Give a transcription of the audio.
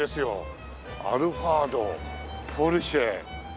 アルファードポルシェ。